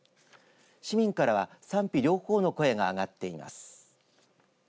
市民からは賛否両方の声が上がっています。